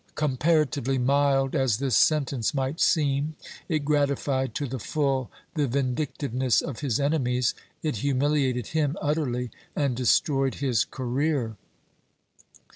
VII] LUIS DE LEON 157 paratively mild as this sentence might seem, it gratified to the full the vindictiveness of his enemies — it humiliated him utterly and destroyed his career.